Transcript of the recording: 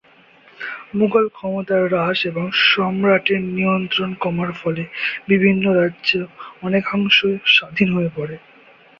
মুঘল ক্ষমতা হ্রাস এবং সম্রাটের নিয়ন্ত্রণ কমার ফলে বিভিন্ন রাজ্য অনেকাংশ স্বাধীন হয়ে পড়ে।